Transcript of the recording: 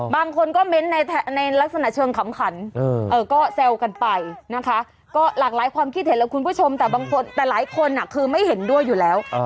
บางคนก็เม้นต์ในลักษณะเชิงขำขันก็แซวกันไปนะคะก็หลากหลายความคิดเห็นแล้วคุณผู้ชมแต่บางคนแต่หลายคนคือไม่เห็นด้วยอยู่แล้ว